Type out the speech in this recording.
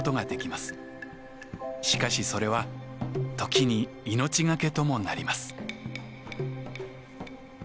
しかしそれは時に命懸けともなります。